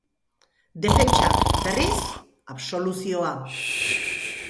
Defentsak, berriz, absoluzioa.